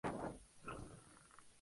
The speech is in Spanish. La Honorable Mrs.